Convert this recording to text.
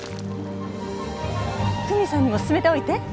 久美さんにも勧めておいて。